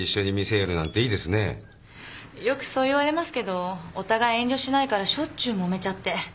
よくそう言われますけどお互い遠慮しないからしょっちゅうもめちゃって。